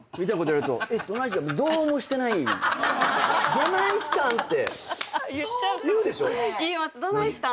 どないしたん？と。